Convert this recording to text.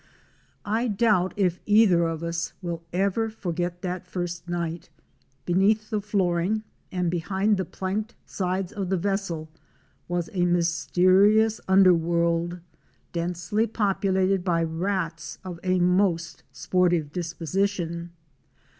TI doubt if either of us will ever forget that first night. Be neath the flooring and behind the planked sides of the vessel was a mysterious underworld, densely populated by rats of most sportive disposition.